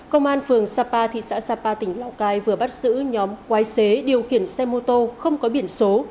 công an phường sapa thị xã sapa tỉnh lào cai vừa bắt giữ nhóm quái xế điều khiển xe mô tô không có biển số